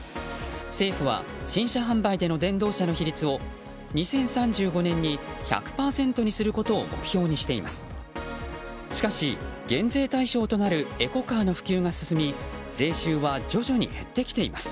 政府は新車販売での電動車の比率を２０３５年に１００％にすることを目標にしています。